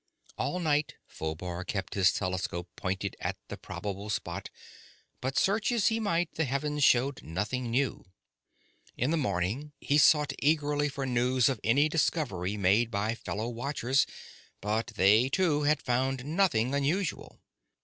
All night Phobar kept his telescope pointed at the probable spot, but search as he might, the heavens showed nothing new. In the morning he sought eagerly for news of any discovery made by fellow watchers, but they, too, had found nothing unusual.